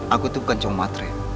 aku tuh bukan comotre